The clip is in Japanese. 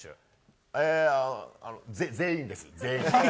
あの、全員です、全員。